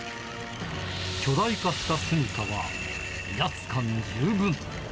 巨大化した住みかは威圧感十分。